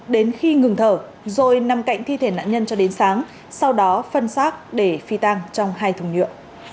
đến khi ngừng thở rồi nằm cạnh thi thể nạn nhân cho đến sáng sau đó phân xác để phi tang trong hai thùng nhựa